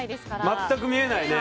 全く見えない。